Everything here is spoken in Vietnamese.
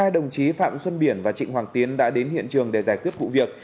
hai đồng chí phạm xuân biển và trịnh hoàng tiến đã đến hiện trường để giải quyết vụ việc